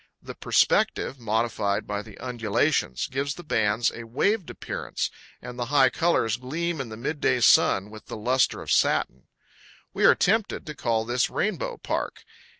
The perspective, modified by the undulations, gives the bands a waved appearance, and the high colors gleam in the midday sun with the luster of satin. We are tempted to call this Rainbow Park.